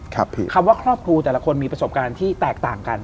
คำว่าครอบครัวแต่ละคนมีประสบการณ์ที่แตกต่างกัน